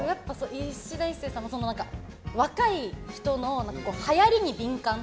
いしだ壱成さんも若い人のはやりに敏感。